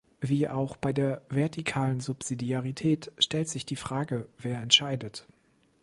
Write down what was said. Wie auch bei der vertikalen Subsidiarität stellt sich die Frage, wer entscheidet.